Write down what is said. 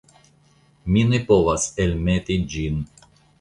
Mi ne povas elmeti ĝin.